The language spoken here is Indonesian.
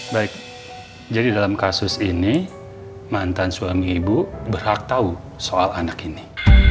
baik jadi dalam kasus ini mantan suami ibu berhak tahu soal anak ini